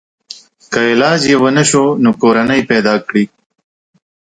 که علاج یې ونشو نو کورنۍ پیدا کړي.